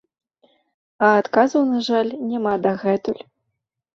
А адказаў, на жаль, няма дагэтуль.